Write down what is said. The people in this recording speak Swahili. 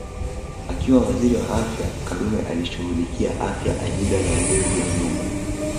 Akiwa Waziri wa Afya Karume alishughulikia Afya Ajira na Ujenzi wa Nyumba